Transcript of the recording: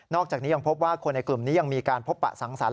อกจากนี้ยังพบว่าคนในกลุ่มนี้ยังมีการพบปะสังสรรค